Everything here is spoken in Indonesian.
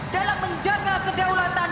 dalam menjaga kedaulatan